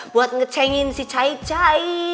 buat ngecengin si cai cai